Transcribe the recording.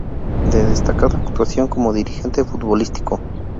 De destacada actuación como dirigente futbolístico.